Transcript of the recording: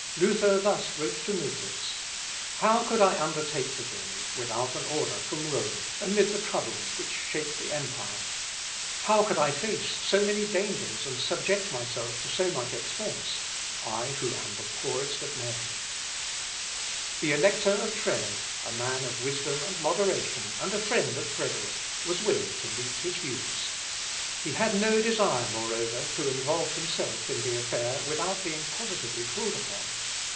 Luther thus wrote to Miltitz: "How could I undertake the journey, without an order from Rome, amid the troubles which shake the empire? How could I face so many dangers and subject myself to so much expence, I who am the poorest of men?" Video ubique, undique, quocumque modo, animam meam quæri. (L. Ep. i, p. 274, 16th May.) The Elector of Trèves, a man of wisdom and moderation, and a friend of Frederick, was willing to meet his views. He had no desire, moreover, to involve himself in the affair without being positively called upon.